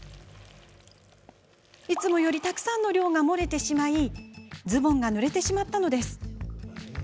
いつもよりたくさんの量が漏れてしまいズボンがぬれてしまったのです。